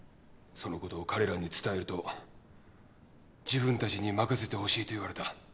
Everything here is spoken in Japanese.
そのことを彼らに伝えると自分たちに任せてほしいと言われた。